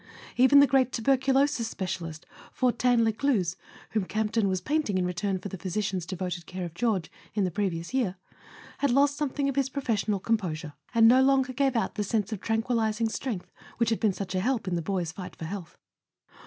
Even the great tuberculosis specialist, Fortin Lescluze, whom Camp ton was painting in return for the physician's devoted care of George the previous year, had lost something of his professional composure, and no longer gave out the sense of tranquillizing strength which had been such a help in the boy's fight for health.